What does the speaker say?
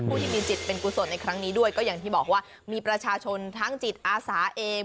ผู้ที่มีจิตเป็นกุศลในครั้งนี้ด้วยก็อย่างที่บอกว่ามีประชาชนทั้งจิตอาสาเอง